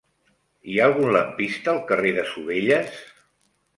Hi ha algun lampista al carrer de Sovelles?